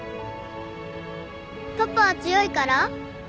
パパは強いから？